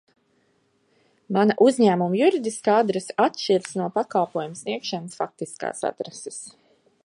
Mana uzņēmuma juridiskā adrese atšķiras no pakalpojuma sniegšanas faktiskās adreses.